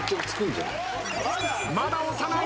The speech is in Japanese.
まだ押さない。